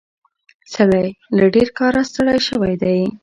سړی له ډېر کاره ستړی شوی دی.